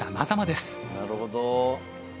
なるほど。